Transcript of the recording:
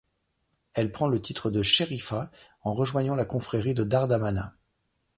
Elle prend le titre de Chérifa en rejoignant la confrérie de Dar Damana.